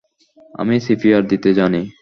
আমি সিপিআর দিতে জানি।